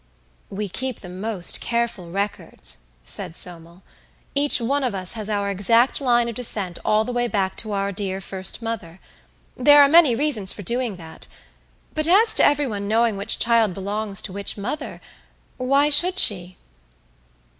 "We keep the most careful records," said Somel. "Each one of us has our exact line of descent all the way back to our dear First Mother. There are many reasons for doing that. But as to everyone knowing which child belongs to which mother why should she?"